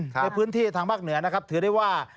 ในพื้นที่ทางภาคเหนือนะครับถือได้ว่า